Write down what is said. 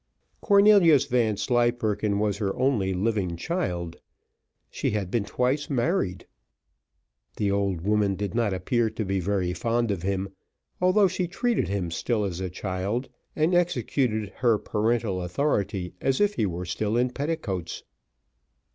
Cornelius Vanslyperken was her only living child: she had been twice married. The old woman did not appear to be very fond of him, although she treated him still as a child, and executed her parental authority as if he were still in petticoats.